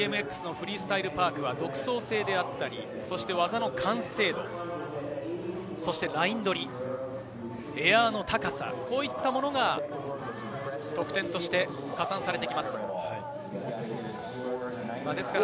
フリースタイル・パークは独創性、技の完成度、そしてライン取り、エアの高さ、こういったものが得点として加算されてきます。